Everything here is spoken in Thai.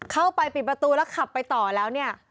เข้าไปปิดประตูแล้วขับไปต่อแล้วเนี่ย